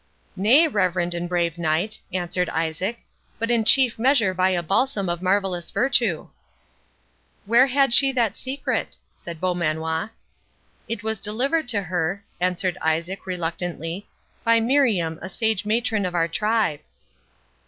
"Nay, reverend and brave Knight," answered Isaac, "but in chief measure by a balsam of marvellous virtue." "Where had she that secret?" said Beaumanoir. "It was delivered to her," answered Isaac, reluctantly, "by Miriam, a sage matron of our tribe."